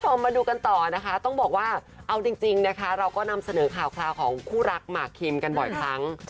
มาดูกันต่อนะคะต้องบอกว่าเอาจริงนะคะเราก็นำเสนอข่าวคราวของคู่รักหมากคิมกันบ่อยครั้ง